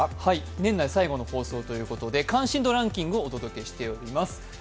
年内最後の放送ということで関心度ランキングをお届けしております。